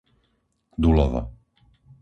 Dulovo